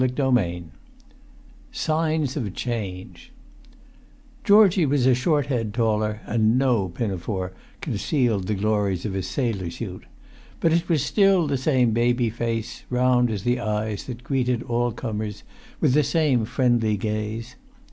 [Pg 306] XXV SIGNS OF CHANGE Georgie was a short head taller, and no pinafore concealed the glories of his sailor suit; but it was still the same baby face, round as the eyes that greeted all comers with the same friendly gaze.